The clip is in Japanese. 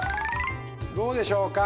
どうでしょうか。